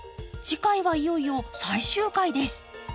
次回はいよいよ最終回です。